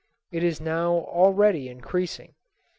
It is now already increasing.